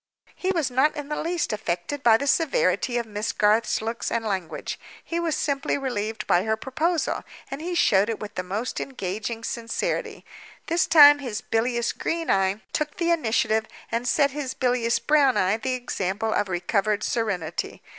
He was not in the least affected by the severity of Miss Garth's looks and language—he was simply relieved by her proposal, and he showed it with the most engaging sincerity. This time his bilious green eye took the initiative, and set his bilious brown eye the example of recovered serenity.